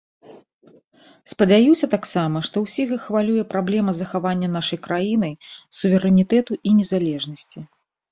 Спадзяюся таксама, што ўсіх іх хвалюе праблема захавання нашай краінай суверэнітэту і незалежнасці.